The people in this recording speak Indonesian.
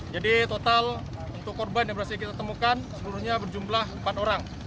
jadi total untuk korban yang berhasil kita temukan seluruhnya berjumlah empat orang